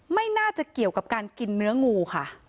ไม่น่าจะเกี่ยวกับการกินเนื้องูค่ะ